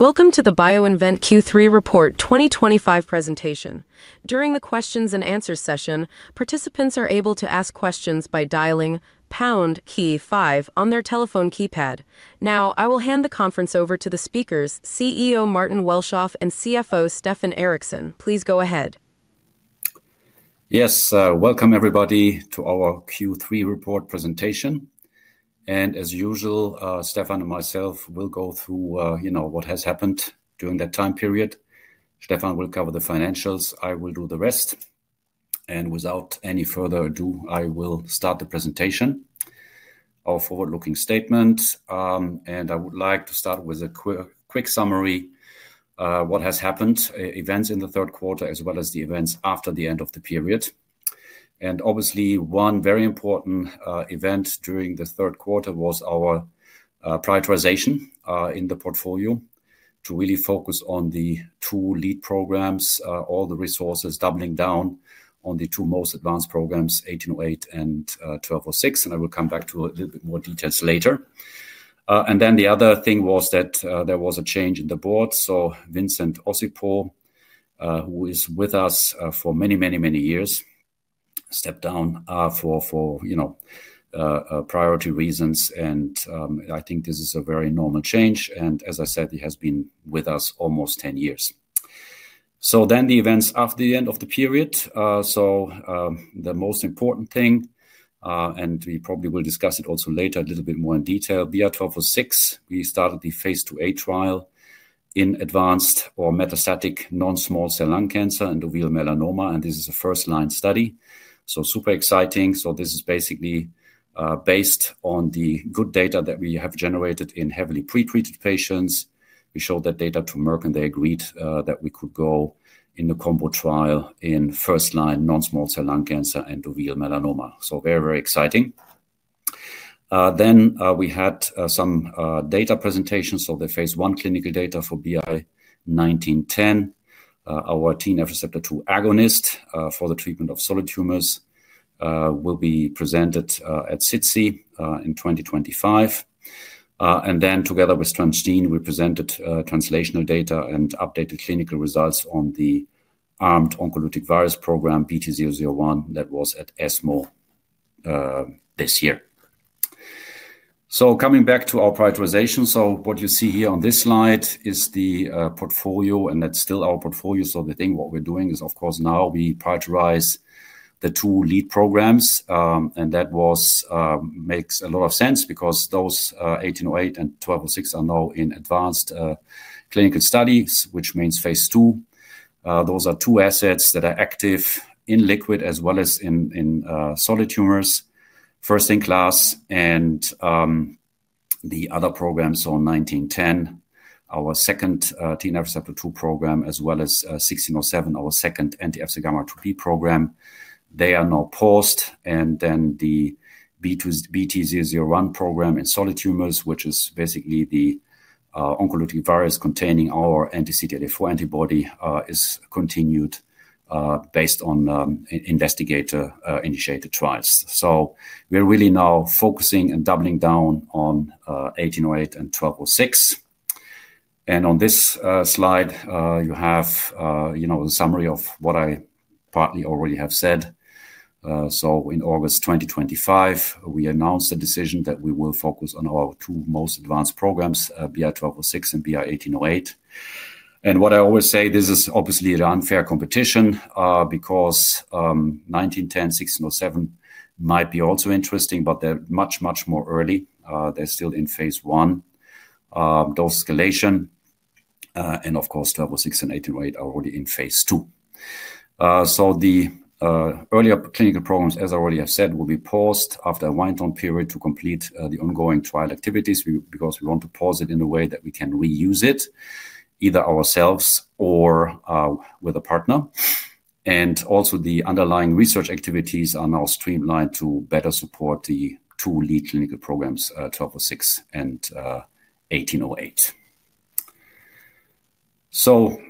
Welcome to the BioInvent Q3 port 2025 presentation. During the questions and answers session, participants are able to ask questions by dialing on their telephone keypad. Now I will hand the conference over to the speakers, CEO Martin Welschof and CFO Stefan Ericsson. Please go ahead. Yes, welcome everybody to our Q3 report presentation. As usual, Stefan and myself will go through what has happened during that time period. Stefan will cover the financials, I will do the rest. Without any further ado, I will start the presentation with our forward-looking statement and I would like to start with a quick summary. What has happened, events in the third quarter as well as the events after the end of the period. Obviously, one very important event during the third quarter was our prioritization in the portfolio to really focus on the two lead programs, all the resources doubling down on the two most advanced programs, BI-1808 and BI-1206. I will come back to a little bit more details later. The other thing was that there was a change in the board. Vincent Osipo, who is with us for many, many years, stepped down for priority reasons. I think this is a very normal change. As I said, he has been with us almost 10 years. The events after the end of the period, the most important thing, and we probably will discuss it also later a little bit more in detail, BI-1206, we started the Phase II-A trial in advanced or metastatic non-small cell lung cancer and uveal melanoma. This is a first-line study, so super exciting. This is basically based on the good data that we have generated in heavily pre-treated patients. We showed that data to Merck and they agreed that we could go in the combo trial in first-line non-small cell lung cancer and uveal melanoma. Very, very exciting. We had some data presentations. The Phase I clinical data for BI-1910, our TNF Receptor 2 agonist for the treatment of solid tumors, will be presented at SITC in 2025. Together with Transgene, we presented translational data and updated clinical results on the armed oncolytic virus program BT-001. That was at ESMO this year. Coming back to our prioritization, what you see here on this slide is the portfolio and that's still our portfolio. What we're doing is, of course, now we prioritize the two lead programs and that makes a lot of sense because those, BI-1808 and BI-1206, are now in advanced clinical studies, which means Phase II. Those are two assets that are active in liquid as well as in solid tumors, first in class. The other programs, BI-1910, our second TNF Receptor 2 program, as well as BI-1607, our second FcγRIIB antibody program, they are now paused. The BT-001 program in solid tumors, which is basically the oncolytic virus containing our anti-CTLA4 antibody, is continued based on investigator-initiated trials. We are really now focusing and doubling down on BI-1808 and BI-1206. On this slide you have the summary of what I partly already have said. In August 2025 we announced the decision that we will focus on our two most advanced programs, BI-1206 and BI-1808. What I always say, this is obviously an unfair competition because BI-1910, BI-1607 might be also interesting, but they're much, much more early. They're still in phase I dose escalation. BI-1206 and BI-1808 are already in phase II. The earlier clinical programs, as I already have said, will be paused after a wind-down period to complete the ongoing trial activities because we want to pause it in a way that we can reuse it either ourselves or with a partner. The underlying research activities are now streamlined to better support the two lead clinical programs, BI-1206 and BI-1808.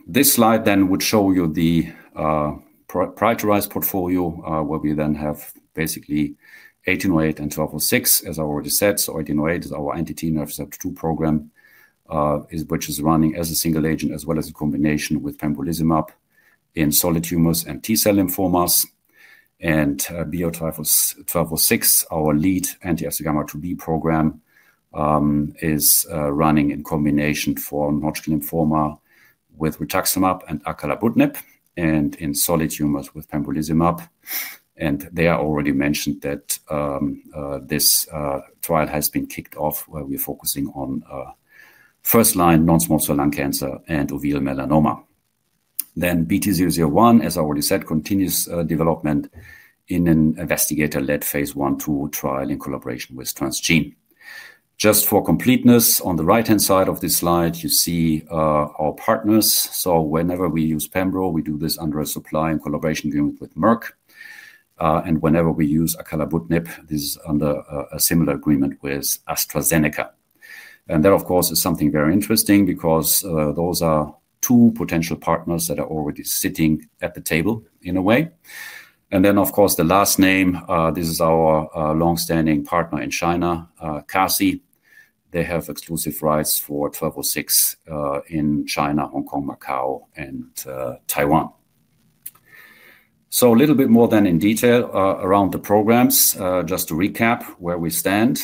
This slide then would show you the prioritized portfolio where we then have basically BI-1808 and BI-1206, as I already said. BI-1808 is our TNF Receptor 2 program, which is running as a single agent as well as in combination with pembrolizumab in solid tumors and T cell lymphomas. BI-1206, our lead FcγRIIB antibody program, is running in combination for non-Hodgkin lymphoma with rituximab and acalabrutinib and in solid tumors with pembrolizumab. I already mentioned that this trial has been kicked off where we're focusing on first-line advanced/metastatic non-small cell lung cancer and ovarian melanoma. BT-001, as I already said, continues development in an investigator-led phase I/II trial in collaboration with Transgene. Just for completeness, on the right-hand side of this slide you see our partners. Whenever we use pembrolizumab, we do this under a supply and collaboration agreement with Merck, and whenever we use acalabrutinib, this is under a similar agreement with AstraZeneca. That is something very interesting because those are two potential partners that are already sitting at the table in a way. The last name, this is our longstanding partner in China, CASI. They have exclusive rights for BI-1206 in China, Hong Kong, Macau, and Taiwan. A little bit more then in detail around the programs, just to recap where we stand.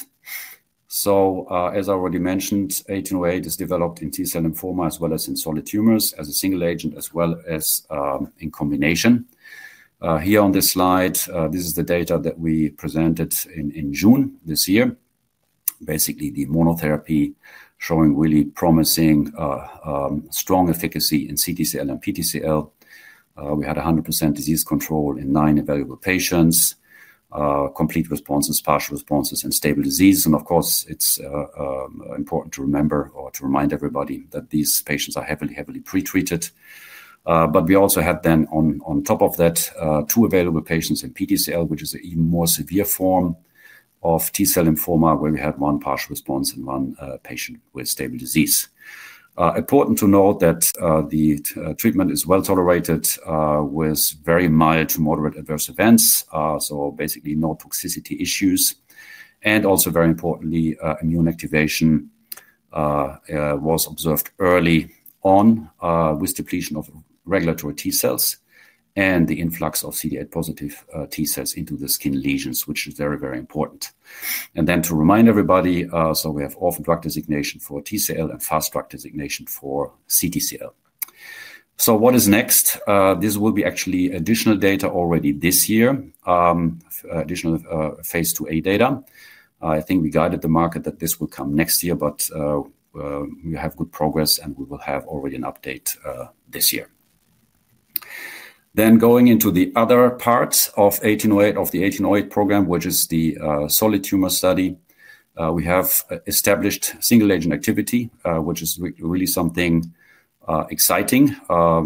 As I already mentioned, BI-1808 is developed in T cell lymphoma as well as in solid tumors as a single agent and in combination. Here on this slide, this is the data that we presented in June this year. Basically, the monotherapy is showing really promising strong efficacy in CTCL and PTCL. We had 100% disease control in nine available patients: complete responses, partial responses, and stable disease. Of course, it's important to remember or to remind everybody that these patients are heavily, heavily pretreated. We also had, on top of that, two available patients in PTCL, which is a more severe form of T cell lymphoma, where we had one partial response and one patient with stable disease. It is important to note that the treatment is well tolerated with very mild to moderate adverse events, so basically no toxicity issues. Also, very importantly, immune activation was observed early on with depletion of regulatory T cells and the influx of CD8+ T cells into the skin lesions, which is very, very important. To remind everybody, we have orphan drug designation for TCL and fast track designation for CTCL. What is next? There will be additional data already this year, additional Phase II-A data. I think we guided the market that this will come next year, but we have good progress and we will have already an update this year. Going into the other part of the BI-1808 program, which is the solid tumor study, we have established single agent activity, which is really something exciting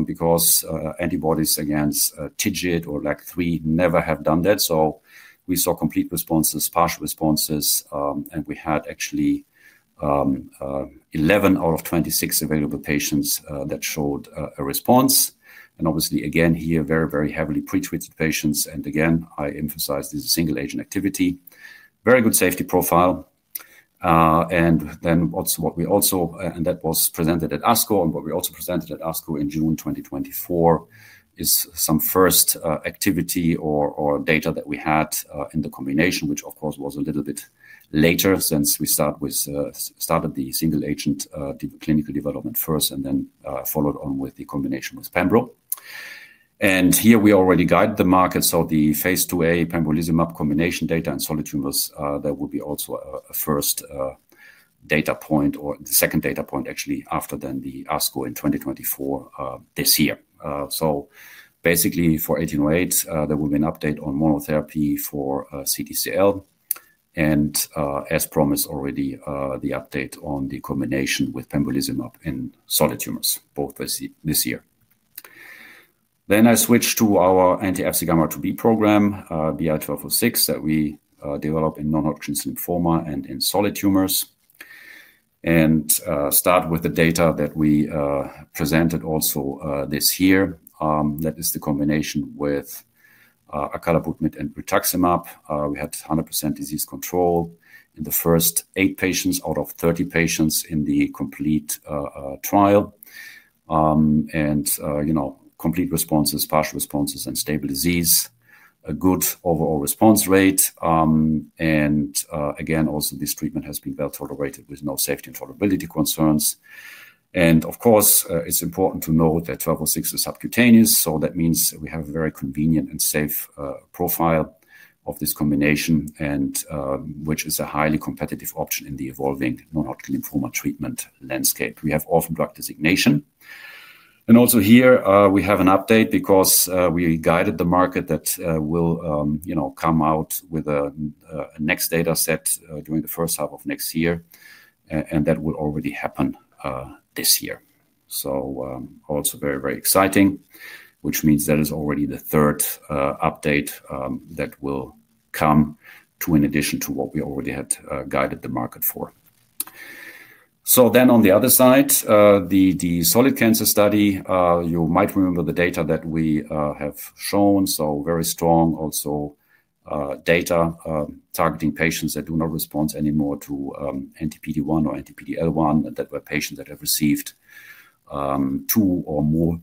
because antibodies against TIGIT or LAG-3 never have done that. We saw complete responses, partial responses, and we had actually 11 out of 26 available patients that showed a response. Obviously, again here, very, very heavily pretreated patients. I emphasize this single agent activity, very good safety profile. That was presented at ASCO, and what we also presented at ASCO in June 2024 is some first activity or data that we had in the combination, which of course was a little bit later since we started the single agent clinical development first and then followed on with the combination with pembrolizumab. Here we already guide the market. The Phase II-A pembrolizumab combination data in solid tumors, there will be also a first data point, or the second data point actually, after ASCO in 2024 this year. Basically for BI-1808 there will be an update on monotherapy for CTCL and, as promised already, the update on the combination with pembrolizumab in solid tumors, both this year. I switched to our anti-FcγRIIB antibody program BI-1206 that we develop in non-Hodgkin lymphoma and in solid tumors. I start with the data that we presented also this year, that is the combination with acalabrutinib and rituximab. We had 100% disease control in the first eight patients out of 30 patients in the complete trial. Complete responses, partial responses, and stable disease, a good overall response rate. Again, also this treatment has been well tolerated with no safety and tolerability concerns. Of course, it's important to note that BI-1206 is subcutaneous. That means we have a very convenient and safe profile of this combination, which is a highly competitive option in the evolving non-Hodgkin lymphoma treatment landscape. We have orphan drug designation. Also here we have an update because we guided the market that we will come out with a next data set during the first half of next year, and that will already happen this year. Also very, very exciting, which means that is already the third update that will come in addition to what we already had guided the market for. On the other side, the solid cancer study, you might remember the data that we have shown, so very strong also data targeting patients that do not respond anymore to anti-PD-1 or anti-PDL1 and that were patients that have received two or more,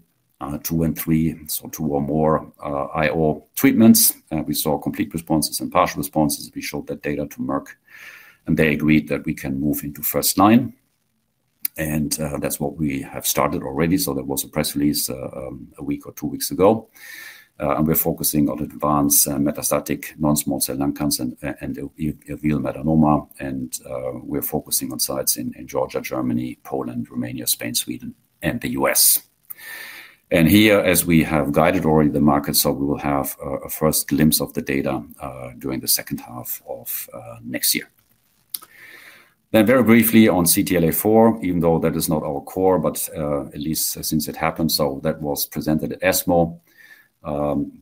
two and three, so two or more IO treatments. We saw complete responses and partial responses. We showed that data to Merck and they agreed that we can move into first line. That's what we have started already. There was a press release a week or two weeks ago and we're focusing on advanced/metastatic non-small cell lung cancer. We're focusing on sites in Georgia, Germany, Poland, Romania, Spain, Sweden, and the U.S. As we have guided already the market, we will have a first glimpse of the data during the second half of next year. Very briefly on CTLA-4, even though that is not our core, but at least since it happened, that was presented at ESMO,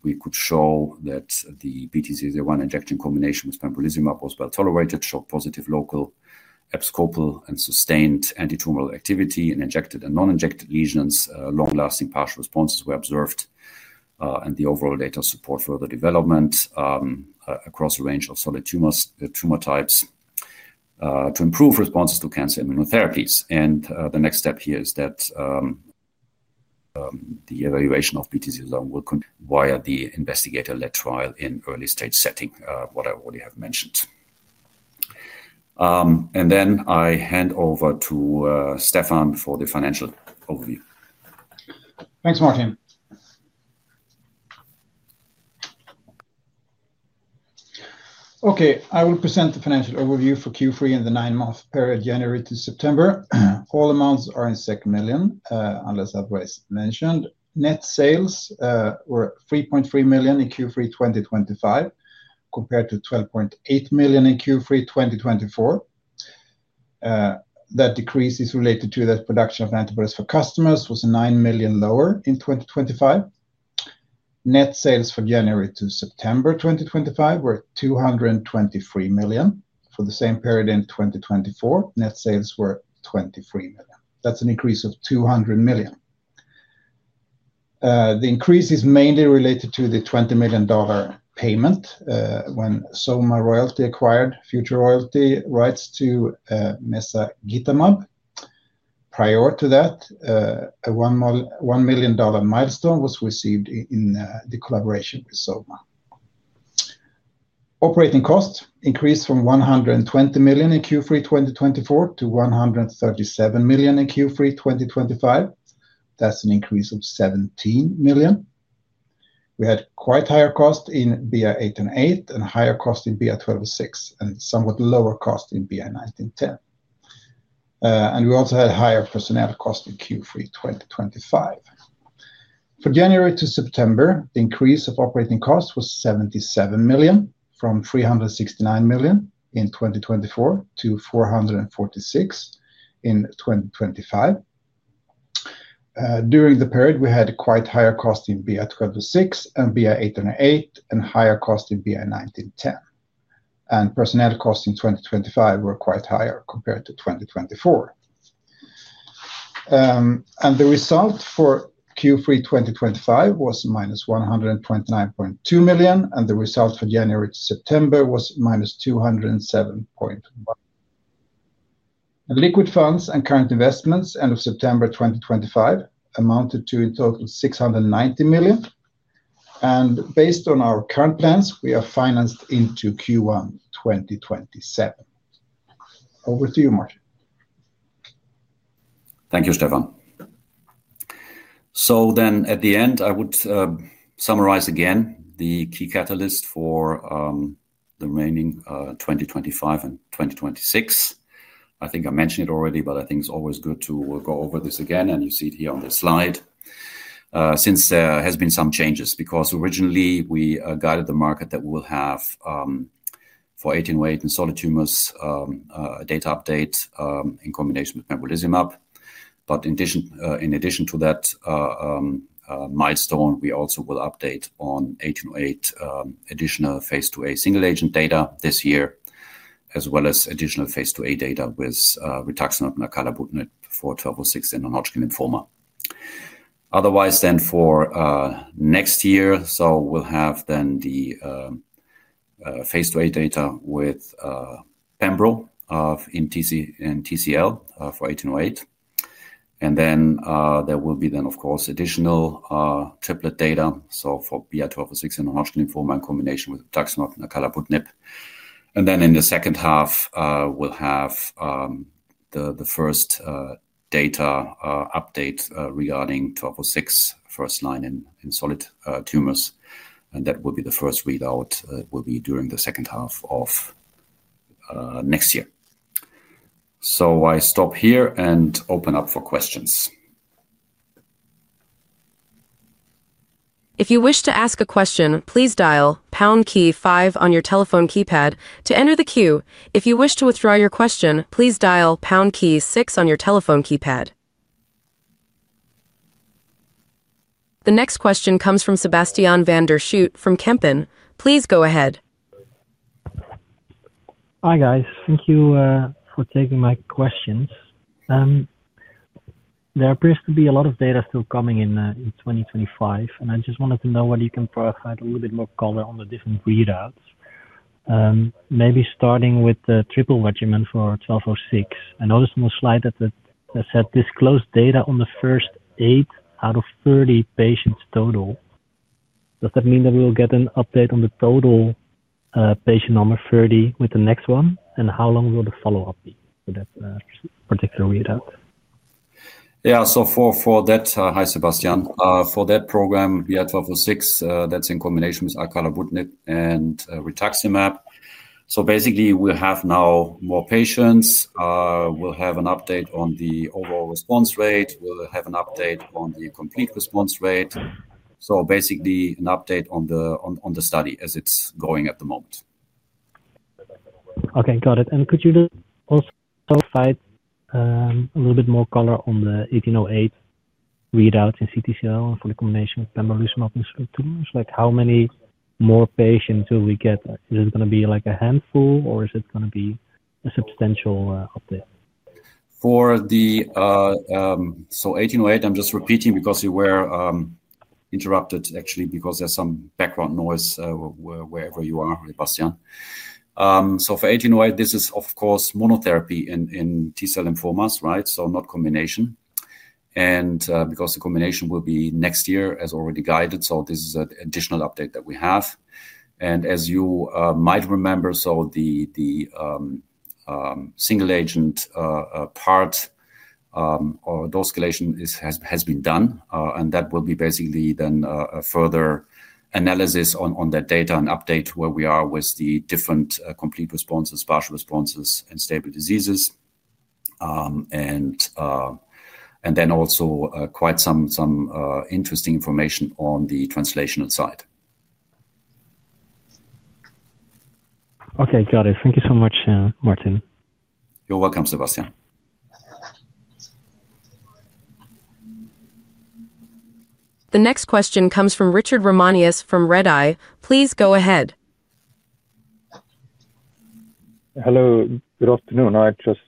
we could show that the BT-001 injection combination with pembrolizumab was well tolerated, showed positive local, abscopal, and sustained antitumoral activity in injected and non-injected lesions. Long lasting partial responses were observed, and the overall data support further development across a range of solid tumor types to improve responses to cancer immunotherapies. The next step here is the evaluation of PTZone via the investigator-led trial in early stage setting, which I already have mentioned. I hand over to Stefan for the financial overview. Thanks Martin. Okay, I will present the financial overview for Q3 and the nine month period January to September. All amounts are in million unless otherwise mentioned. Net sales were 3.3 million in Q3 2025 compared to 12.8 million in Q3 2024. That decrease is related to the production of antibodies for customers, which was 9 million lower in 2025. Net sales for January to September 2025 were 223 million. For the same period in 2024, net sales were 23 million. That's an increase of 200 million. The increase is mainly related to the $20 million payment when XOMA Royalty acquired future royalty rights to mezagitamab. Prior to that, a $1 million milestone was received in the collaboration with XOMA. Operating costs increased from 120 million in Q3 2024 to 137 million in Q3 2025. That's an increase of 17 million. We had quite higher cost in BI-1808 and higher cost in BI-1206 and somewhat lower cost in BI-1910, and we also had higher personnel cost in Q3 2025. For January to September, the increase of operating costs was 77 million from 369 million in 2024 to 446 million in 2025. During the period, we had quite higher cost in BI-1206 and BI-1808 and higher cost in BI-1910, and personnel costs in 2025 were quite higher compared to 2024. The result for Q3 2025 was -129.2 million, and the result for January to September was -207 million. Liquid funds and current investments at the end of September 2025 amounted to in total 690 million, and based on our current plans, we are financed into Q1 2027. Over to you, Martin. Thank you, Stefan. At the end, I would summarize again the key catalyst for the remaining 2025 and 2026. I think I mentioned it already, but I think it's always good to go over this again, and you see it here on the slide since there have been some changes because originally we guided the market that we'll have for BI-1808 and solid tumors a data update in combination with pembrolizumab. In addition to that milestone, we also will update on BI-1808 additional Phase II-A single agent data this year as well as additional Phase II-A data with rituximab and acalabrutinib for BI-1206 in non-Hodgkin lymphoma. Otherwise, for next year, we'll have the Phase II-A data with pembrolizumab in T cell lymphoma for BI-1808, and there will be additional triplet data for BI-1206 in non-Hodgkin lymphoma in combination with acalabrutinib. In the second half, we'll have the first data update regarding BI-1206 first-line in solid tumors. That will be the first readout during the second half of next year. I stop here and open up for questions. If you wish to ask a question, please dial pound key five on your telephone keypad to enter the queue. If you wish to withdraw your question, please dial pound key six on your telephone keypad. The next question comes from Sebastiaan van der Schoot from Kempen. Please go ahead. Hi guys. Thank you for taking my questions. There appears to be a lot of data still coming in 2025, and I just wanted to know whether you can provide a little bit more color on the different readouts, maybe starting with the triple regimen for BI-1206. I noticed on the slide that said disclose data on the first eight out of 30 patients total. Does that mean that we will get an update on the total patient number 30 with the next one? How long will the follow-up be for that particular readout? Hi Sebastiaan, for that program, BI-1206, that's in combination with acalabrutinib and rituximab. We have now more patients. We'll have an update on the overall response rate and an update on the complete response rate, basically an update on the study as it's going at the moment. Okay, got it. Could you also provide a little bit more color on the BI-1808 readouts in CTCL for the combination of pembrolizumab tumors? Like how many more patients will we get? Is it going to be like a handful or is it going to be a substantial update for the. BI-1808. I'm just repeating because you were interrupted actually because there's some background noise wherever you are, Bastian. For BI-1808, this is of course monotherapy in T cell lymphomas, right, so not combination, and because the combination will be next year as already guided. This is an additional update that we have, and as you might remember, the single agent part or dose escalation has been done, and that will be basically then a further analysis on that data and update where we are with the different complete responses, partial responses, and stable diseases. There is also quite some interesting information on the translational side. Okay, got it. Thank you so much, Martin. You're welcome, Sebastiaan. The next question comes from Richard Ramanius from Redeye. Please go ahead. Hello, good afternoon. I'll just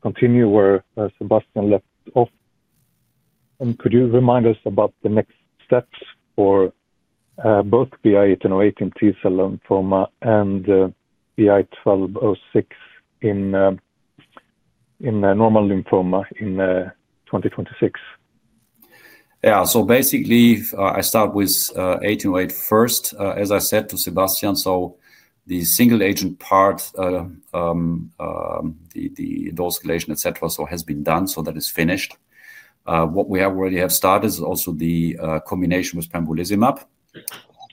continue where Sebastiaan left off, and could you remind us about the next steps for both BI-1808 in T cell lymphoma and BI-1206 in non-Hodgkin lymphoma in 2026? Yeah, so basically I start with BI-1808 first as I said to Sebastiaan. The single agent part, the dose, etc., has been done. That is finished. What we have already started is also the combination with pembrolizumab,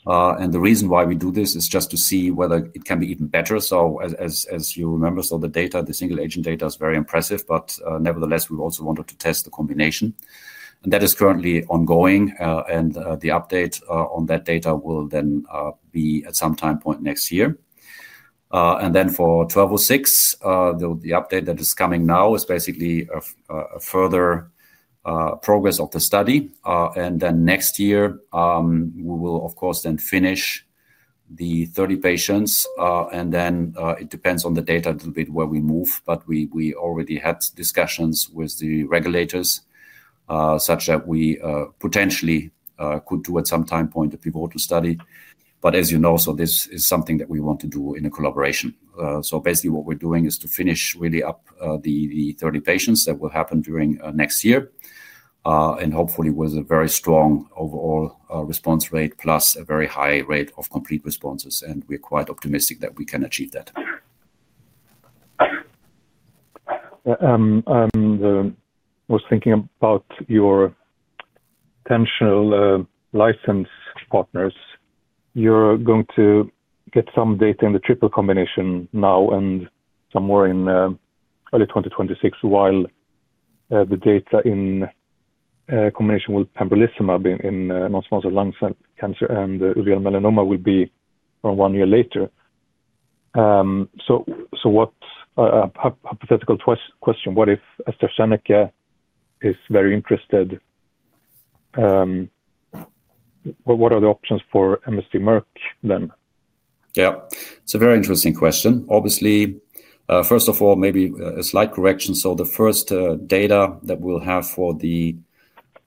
and the reason why we do this is just to see whether it can be even better. As you remember, the data, the single agent data, is very impressive. Nevertheless, we also wanted to test the combination, and that is currently ongoing. The update on that data will then be at some time point next year. For BI-1206, the update that is coming now is basically a further progress of the study. Next year we will, of course, then finish the 30 patients, and it depends on the data a little bit where we move. We already had discussions with the regulators such that we potentially could do at some time point a pivotal study. This is something that we want to do in a collaboration. Basically, what we're doing is to finish really up the 30 patients. That will happen during next year, and hopefully with a very strong overall response rate plus a very high rate of complete responses. We're quite optimistic that we can achieve that. I was thinking about your potential license partners. You're going to get some data in the triple combination now and somewhere in early 2026, while the data in combination with pembrolizumab in non-small cell lung cancer and melanoma will be or one year later. What hypothetical question, what if AstraZeneca is very interested? What are the options for Merck then? Yeah, it's a very interesting question. Obviously, first of all, maybe a slight correction. The first data that we'll have for the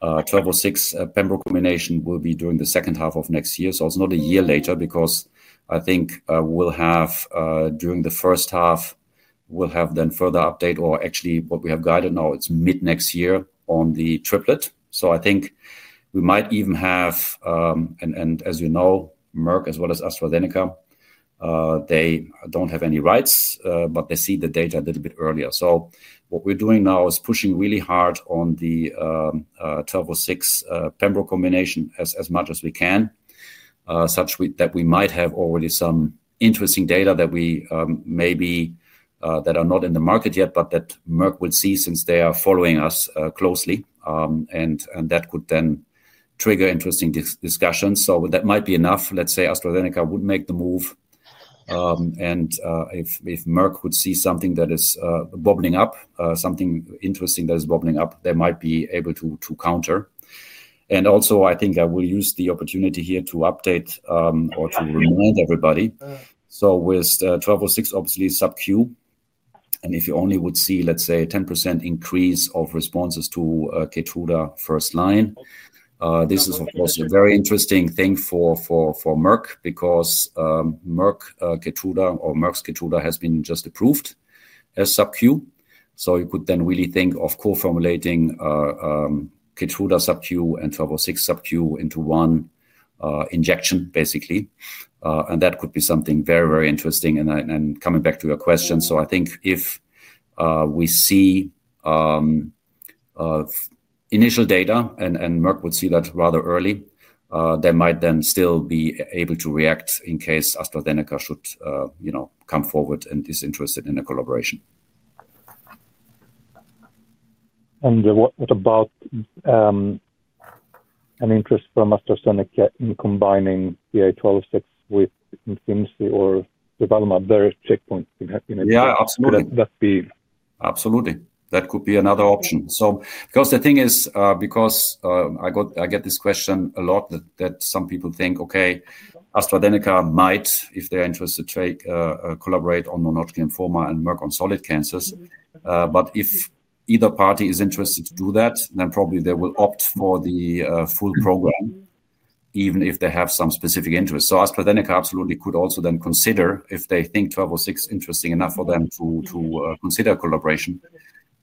BI-1206 pembrolizumab combination will be during the second half of next year. It's not a year later because I think we'll have during the first half, we'll have then further update or actually what we have guided now, it's mid next year on the triplet. I think we might even have, and as you know, Merck as well as AstraZeneca, they don't have any rights, but they see the data a little bit earlier. What we're doing now is pushing really hard on the BI-1206 pembrolizumab combination as much as we can. We might have already some interesting data that maybe are not in the market yet, but that Merck will see since they are following us closely, and that could then trigger interesting discussions. That might be enough. Let's say AstraZeneca would make the move, and if Merck would see something that is bubbling up, something interesting that is bubbling up, they might be able to counter. I think I will use the opportunity here to update or to remind everybody. With BI-1206, obviously subcutaneous, and if you only would see, let's say, 10% increase of responses to KEYTRUDA first line, this is of course a very interesting thing for Merck because Merck has been just approved as subcutaneous. You could then really think of co-formulating KEYTRUDA subcutaneous and BI-1206 subcutaneous into one injection basically. That could be something very, very interesting. Coming back to your question, I think if we see initial data and Merck would see that rather early, they might then still be able to react in case AstraZeneca should come forward and is interested in a collaboration. What about an interest from AstraZeneca in combining BI-1206 with Keytruda or their checkpoint? Absolutely, absolutely. That could be another option. I get this question a lot that some people think, okay, AstraZeneca might, if they're interested, collaborate on non-Hodgkin lymphoma and work on solid cancers. If either party is interested to do that, then probably they will opt for the full program even if they have some specific interest. AstraZeneca absolutely could also then consider, if they think BI-1206 is interesting enough for them to consider collaboration,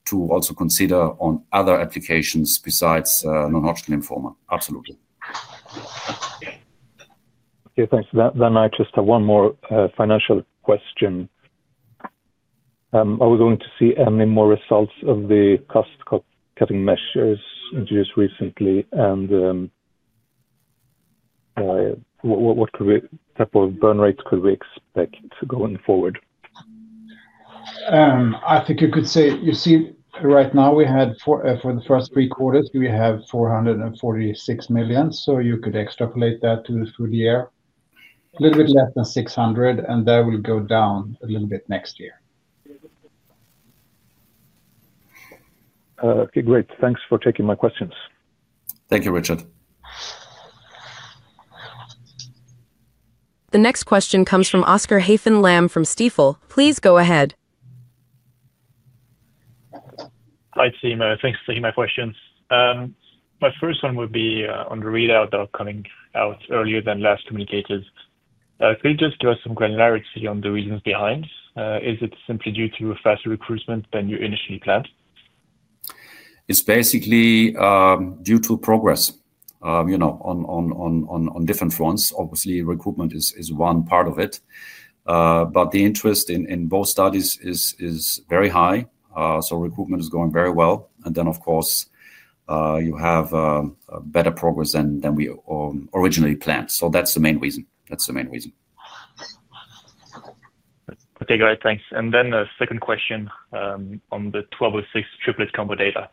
to also consider other applications besides non-Hodgkin lymphoma. Absolutely. Okay, thanks. I just have one more financial question. Are we going to see any more results of the cost cutting measures just recently, and what type of burn rates could we expect going forward? I think you could say, you see right now we had for the first three quarters we have 446 million. You could extrapolate that through the year, a little bit less than 600 million, and that will go down a little bit next year. Okay, great. Thanks for taking my questions. Thank you, Richard. The next question comes from Oscar Haffen Lamm from Stifel. Please go ahead. Hi team, thanks for taking my questions. My first one would be on the readout that are coming out earlier than last communicated. Could you just give us some granularity on the reasons behind. Is it simply due to a faster recruitment than you initially planned? It's basically due to progress on different fronts. Obviously, recruitment is one part of it, but the interest in both studies is significant. Recruitment is going very well, and of course you have better progress than we originally planned. That's the main reason. Okay, great, thanks. A second question on the BI-1206 triplet combo data.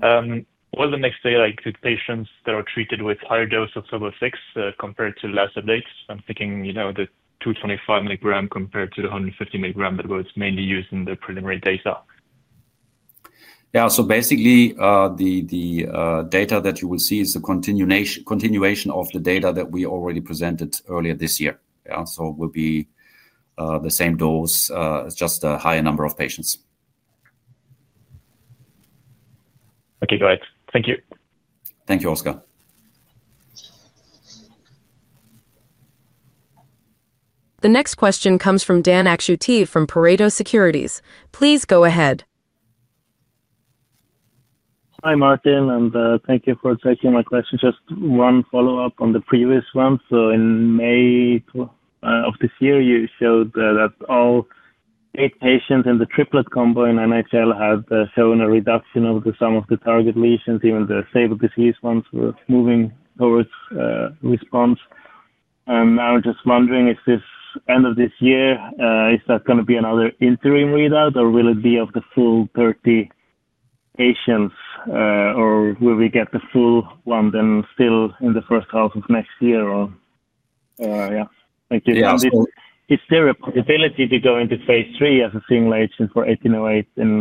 The next data update includes patients that are treated with a higher dose of BI-1206 compared to the last update. I'm thinking, you know, the 225 mg compared to the 150 mg that was mainly used in the preliminary data. Yeah. Basically, the data that you will see is the continuation of the data that we already presented earlier this year. It will be the same dose, just a higher number of patients. Okay, go ahead. Thank you. Thank you, Oscar. The next question comes from Dan Akschuti from Pareto Securities. Please go ahead. Hi Martin. Thank you for taking my question. Just one follow up on the previous one. In May of this year you showed that all eight patients in the triplet combo in NHL had shown a reduction of the sum of the target lesions. Even the stable disease ones were moving towards response. I'm just wondering, is this end of this year, is that going to be another interim readout or will it be of the full 13 patients or will we get the full one then still in the first half of next year? Thank you. Is there a possibility to go into phase III as a single agent for BI-1808 in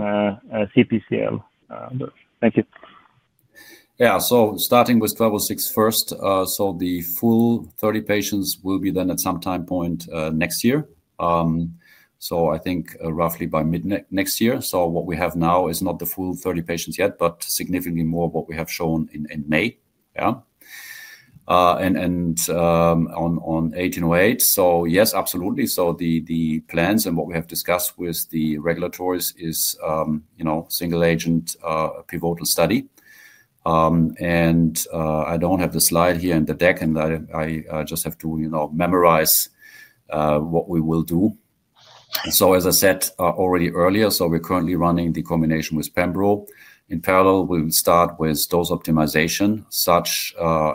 CTCL? Thank you. Yeah. Starting with BI-1206 first, the full 30 patients will be then at some time point next year. I think roughly by mid next year. What we have now is not the full 30 patients yet, but significantly more than what we have shown in May. On BI-1808, yes, absolutely. The plans and what we have discussed with the regulatories is, you know, single agent pivotal study. I don't have the slide here in the deck and I just have to, you know, memorize what we will do. As I said already earlier, we're currently running the combination with pembro in parallel. We will start with dose optimization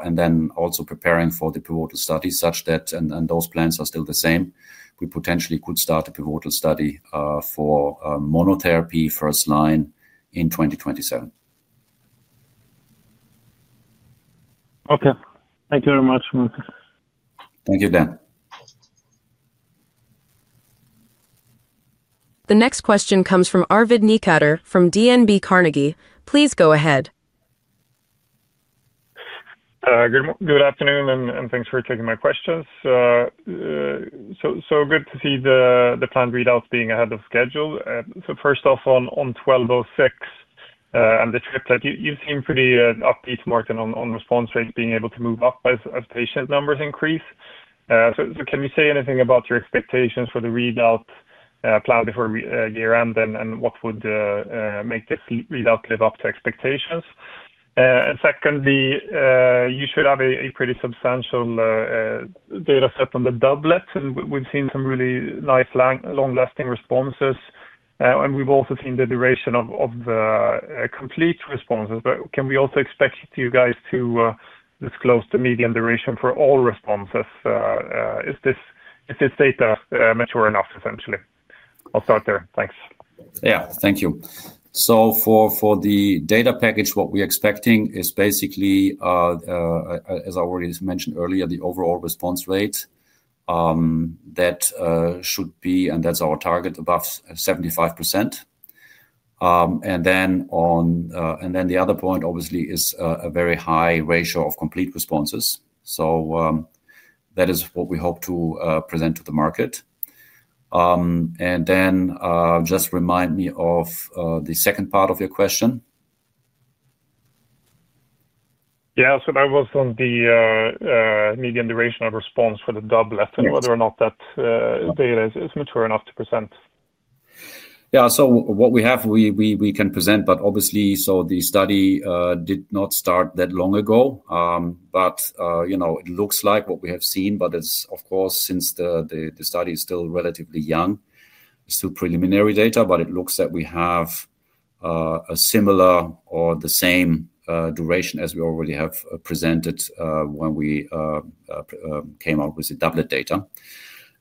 and then also preparing for the pivotal studies such that those plans are still the same. We potentially could start a pivotal study for monotherapy first line in 2026. Okay, thank you very much. Thank you, Dan. The next question comes from Arvid Necander from DNB Carnegie. Please go ahead. Good afternoon and thanks for taking my questions. It's good to see the planned readouts being ahead of schedule. First off, on BI-1206 and the triplet, you seem pretty upbeat, Martin, on response rates being able to move up as patient numbers increase. Can you say anything about your expectations for the readout plan before year end and what would make this readout live up to expectations? You should have a pretty substantial data set on the doublet. We've seen some really nice long lasting responses and we've also seen the duration of the complete responses. Can we also expect you guys to disclose the median duration for all responses? Is this data mature enough essentially? I'll start there, thanks. Thank you. For the data package, what we're expecting is basically, as I already mentioned earlier, the overall response rate that should be, and that's our target, above 75%, and then on. The other point obviously is a very high ratio of complete responses. That is what we hope to present to the market. Just remind me of the second part of your question. That was on the median duration of response for the doublet and whether or not that data is mature enough to present. Yeah, what we have we can present, obviously. The study did not start that long ago. It looks like what we have seen, but since the study is still relatively young, it's still preliminary data. It looks that we have a similar or the same duration as we already have presented when we came out with the doublet data.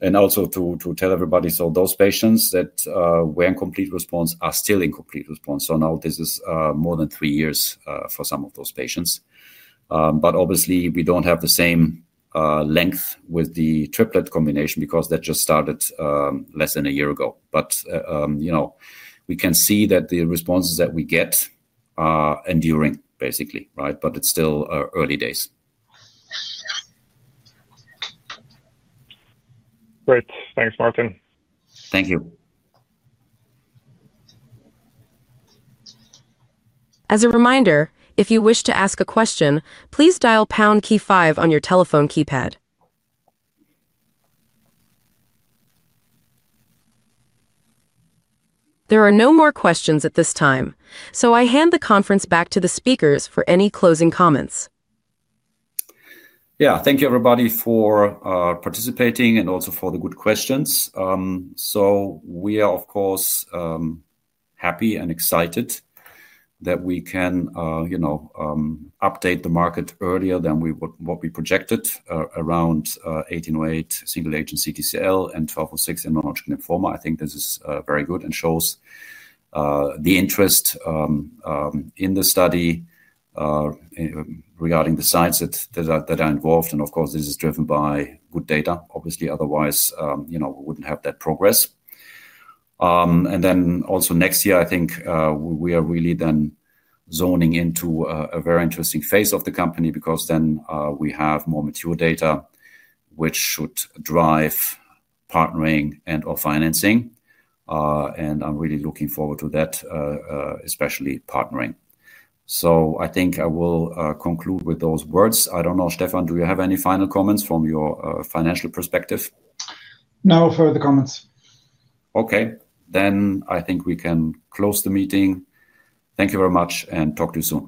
Also, to tell everybody, those patients that were in complete response are still in complete response. Now this is more than three years for some of those patients. We don't have the same length with the triplet combination because that just started less than a year ago. We can see that the responses that we get are enduring, basically. It's still early days. Great. Thanks, Martin. Thank you. As a reminder, if you wish to ask a question, please dial pound key five on your telephone keypad. There are no more questions at this time, so I hand the conference back to the speakers for any closing comments. Thank you everybody for participating and also for the good questions. We are, of course, happy and excited that we can update the market earlier than we would. What we projected around BI-1808 single agent T cell lymphoma and BI-1206 immunological lymphoma. I think this is very good and shows the interest in the study regarding the sites that are involved. This is driven by good data, obviously, otherwise we wouldn't have that progress. Next year, I think we are really then zoning into a very interesting phase of the company because then we have more mature data which should drive partnering and or financing. I'm really looking forward to that, especially partnering. I think I will conclude with those words. I don't know. Stefan, do you have any final comments from your financial perspective? No further comments. Okay, I think we can close the meeting. Thank you very much and talk to you soon.